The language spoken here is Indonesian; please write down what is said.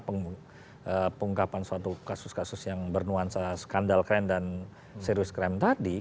pengungkapan suatu kasus kasus yang bernuansa skandal kren dan serius krem tadi